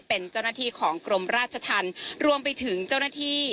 เป็นเจ้าหน้าที่ของกรมราชธรรมรวมไปถึงเจ้าหน้าที่